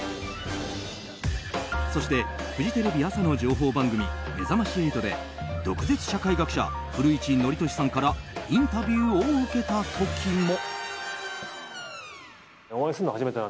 そして、フジテレビ朝の情報番組「めざまし８」で毒舌社会学者、古市憲寿さんからインタビューを受けた時も。